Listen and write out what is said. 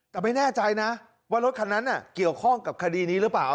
แต่ไม่แน่ใจนะว่ารถคันนั้นเกี่ยวข้องกับคดีนี้หรือเปล่า